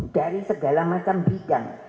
dari segala macam bidang